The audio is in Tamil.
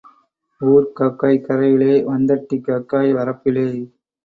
ஊர்க் காக்காய் கரையிலே வந்தட்டிக் காக்காய் வரப்பிலே.